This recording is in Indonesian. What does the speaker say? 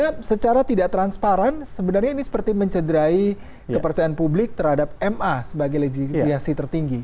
karena secara tidak transparan sebenarnya ini seperti mencederai kepercayaan publik terhadap ma sebagai legitimasi tertinggi